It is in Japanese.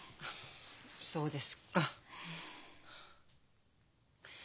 そうですか。